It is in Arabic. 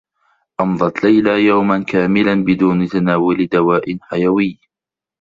أمضت ليلى يوما كاملا بدون تناول دواء حيويّ.